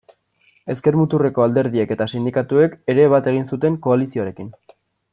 Ezker-muturreko alderdiek eta sindikatuek ere bat egin zuten koalizioarekin.